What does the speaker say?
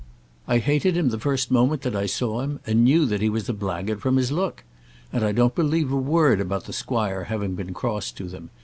I hated him the first moment that I saw him, and knew that he was a blackguard from his look. And I don't believe a word about the squire having been cross to them.